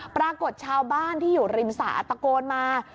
ปรากฏชาวบ้านที่อยู่ริมสระตะโกนมา